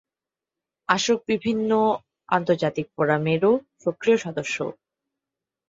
আসক বিভিন্ন আন্তর্জাতিক ফোরামেরও সক্রিয় সদস্য।